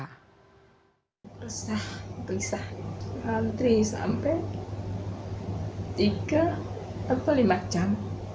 resah resah lantri sampai tiga atau lima jam